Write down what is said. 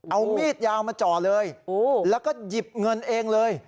เอามีดยาวมาจ่อเลยแล้วก็หยิบเงินเองเลย